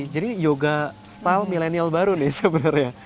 jadi yoga style milenial baru nih sebenarnya